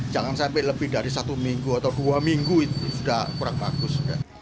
jangan sampai lebih dari satu minggu atau dua minggu itu sudah kurang bagus